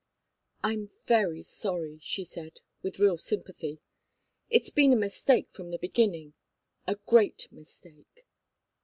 "I'm very sorry," she said, with real sympathy. "It's been a mistake from the beginning a great mistake."